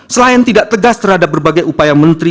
selain tidak tegas terhadap berbagai upaya menteri